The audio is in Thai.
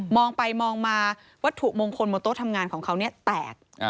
มองไปมองมาวัตถุมงคลโต๊ะทำงานของเขาเนี่ยแตก